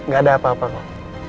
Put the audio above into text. gak ada apa apa kok